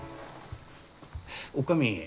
女将。